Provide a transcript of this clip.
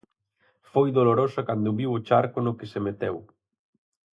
Foi dolorosa cando viu o charco no que se meteu.